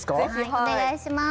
お願いします